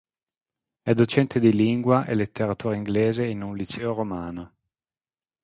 È docente di Lingua e letteratura inglese in un liceo romano.